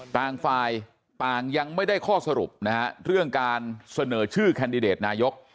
ต่างฝ่ายต่างยังไม่ได้ข้อสรุปนะฮะเรื่องการเสนอชื่อแคนดิเดตนายก